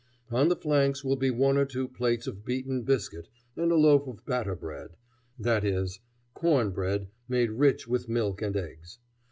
On the flanks will be one or two plates of beaten biscuit and a loaf of batter bread, i. e., corn bread made rich with milk and eggs.